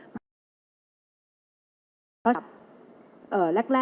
ปรากฏจากข้อความหมายครับ